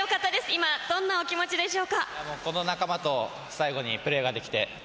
今どんなお気持ちでしょうか？